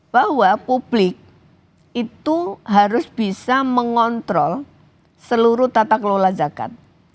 bahwa publik itu harus bisa mengontrol seluruh tata kelola zakat